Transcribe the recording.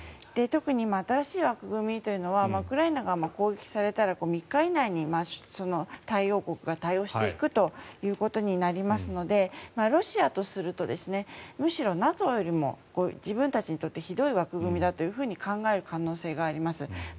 特に新しい枠組みというのはウクライナが攻撃されたら３日以内に対応国が対応していくということになりますのでロシアとするとむしろＮＡＴＯよりも自分たちにとってひどい枠組みだと考える可能性があります。